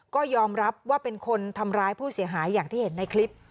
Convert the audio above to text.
ก็ยอมรับว่าเป็นคนทำร้ายผู้เสียหายอย่างที่เห็นในคลิป